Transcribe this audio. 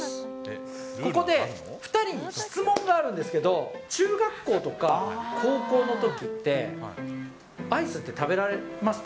ここで２人に質問があるんですけど、中学校とか高校のときって、アイスって食べられました？